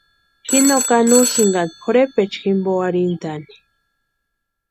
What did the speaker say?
Ji no kani úsïnka pʼorhepecha jimpo arhintʼani.